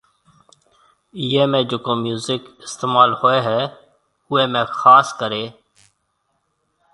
ايئيَ ۾ جِڪو ميوزڪ استعمال هوئيَ هيَ اوئيَ ۾ خاص ڪريَ